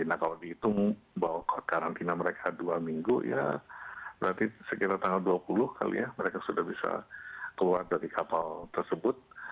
nah kalau dihitung bahwa karantina mereka dua minggu ya berarti sekitar tanggal dua puluh kali ya mereka sudah bisa keluar dari kapal tersebut